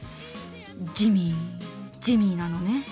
ジミージミーなのね。